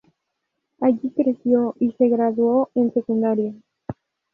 Allí creció y se graduó en secundaria.